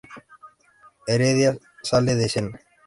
Heredia sale de escena.